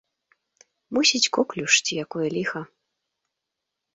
Мусіць коклюш ці якое ліха.